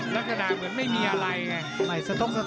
ลักษณะเหมือนไม่มีอะไรไง